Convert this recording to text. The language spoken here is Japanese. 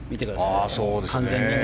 完全にね。